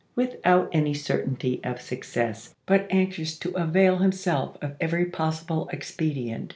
Without any certainty of success, but anxious to avail him self of every possible expedient.